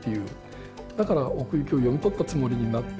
だから奥行きを読み取ったつもりになってる。